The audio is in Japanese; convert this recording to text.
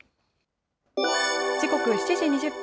時刻、７時２０分。